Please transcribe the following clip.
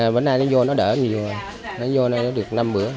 bánh này nó vô nó đỡ nhiều nó vô nó được năm bữa